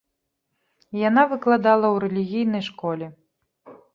Яна выкладала ў рэлігійнай школе.